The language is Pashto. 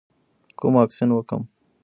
کوم واکسین وکړم؟